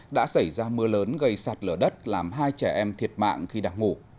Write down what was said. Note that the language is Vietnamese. đã xảy ra mưa lớn gây sạt lở đất làm hai trẻ em thiệt mạng khi đang ngủ